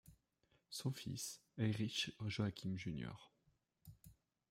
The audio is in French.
Son fils Heinrich-Joachim Jr.